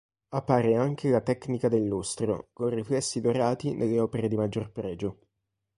Appare anche la "tecnica del lustro", con riflessi dorati nelle opere di maggior pregio.